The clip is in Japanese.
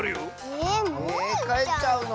えかえっちゃうの？